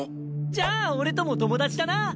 じゃあ俺とも友達だな！